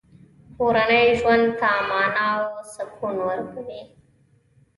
کورنۍ ژوند ته مانا او سکون ورکوي.